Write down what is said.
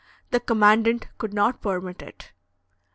The commandant could not permit it.